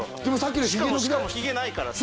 しかもヒゲないからさ。